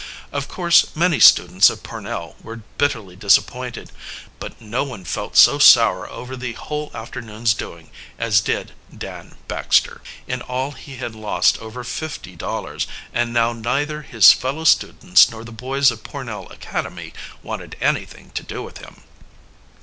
Of course many students of Pornell were bitterly disappointed, but no one felt so sour over the whole afternoon's doing as did Dan Baxter. In all he had lost over fifty dollars, and now neither his fellow students nor the boys of Pornell Academy wanted anything to do with him.